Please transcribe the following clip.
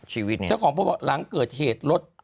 เจ้าของโพสต์บอกหลังเกิดเหตุรถ